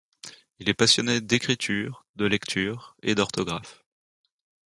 Il est passionné d'écriture, de lecture et d'orthographe.